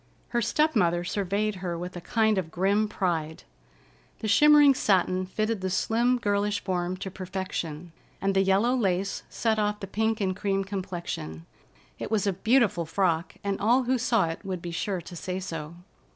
Her step mother surveyed her with a kind of grim pride. The shimmering satin fitted the slim, girlish form to perfection, and the yellow lace set off the pink and cream complexion. It was a beautiful frock, and all who saw it would be sure to say so.